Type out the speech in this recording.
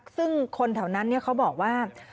ซึ่งคนแถวนั้นเขาบอกว่า